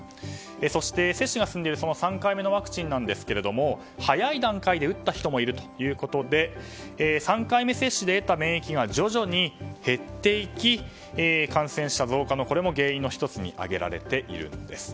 そして、接種が進んでいるその３回目のワクチンですけども早い段階で打った人もいるということで３回目接種で得た免疫が徐々に減っていき感染者増加の原因の１つにも挙げられているんです。